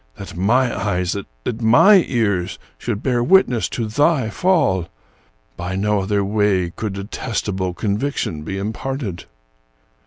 That my eyes, that my ears, should bear witness to thy fall! By no other way could detestable conviction be imparted.